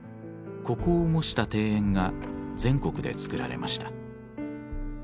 ここを模した庭園が全国で造られました。